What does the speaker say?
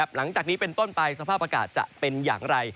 หลังจากนี้เป็นต้นไปสภาพอากาศจะเป็นอย่างไร